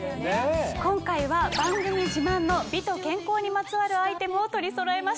今回は番組自慢の美と健康にまつわるアイテムを取りそろえました。